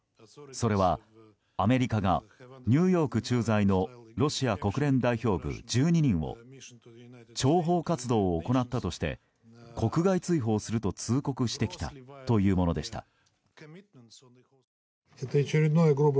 それは、アメリカがニューヨーク在住のロシア国連代表部１２人を諜報活動を行ったとして国外追放すると通告してきたというものでした。